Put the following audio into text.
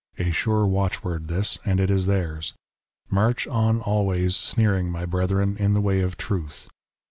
A sure watchword this, and it is theirs. ' March on always sneering, my brethren, in the way of truth.'